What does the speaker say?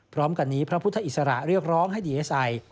พร้อมกันนี้พระพุทธอิสระเรียกร้องให้ดีเอสไอ